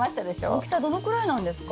大きさどのくらいなんですか？